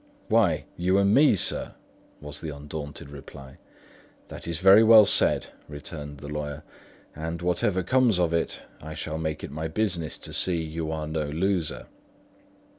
"Why, you and me, sir," was the undaunted reply. "That's very well said," returned the lawyer; "and whatever comes of it, I shall make it my business to see you are no loser."